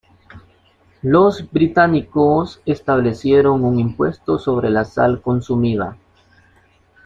Los británicos establecieron un impuesto sobre la sal consumida.